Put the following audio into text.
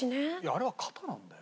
あれは型なんだよ。